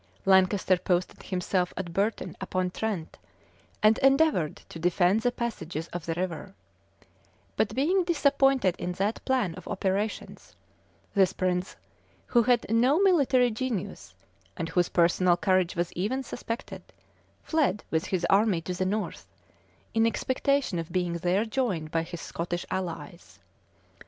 Lancaster posted himself at Burton upon Trent, and endeavored to defend the passages of the river:[] but being disappointed in that plan of operations, this prince, who had no military genius, and whose personal courage was even suspected, fled with his army to the north, in expectation of being there joined by his Scottish allies.